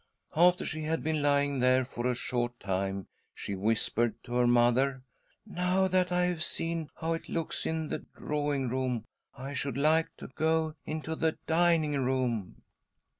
After she had been lying there for a short time she whispered to her mother :" Now that I have seen how it looks in the drawing room, I should like to go into the dining room."